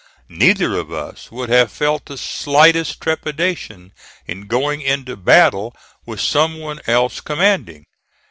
Neither of us would have felt the slightest trepidation in going into battle with some one else commanding.